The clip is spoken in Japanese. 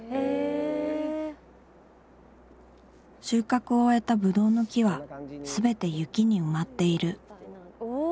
収穫を終えたブドウの木はすべて雪に埋まっているおお。